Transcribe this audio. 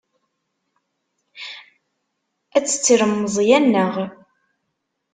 Ad tettrem Meẓyan, naɣ?